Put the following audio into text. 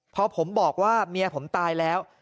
พอผมบอกว่าเมียผมตายแล้ว